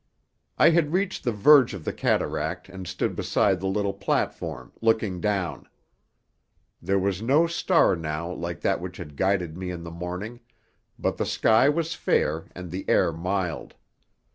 I had reached the verge of the cataract and stood beside the little platform, looking down. There was no star now like that which had guided me in the morning, but the sky was fair and the air mild.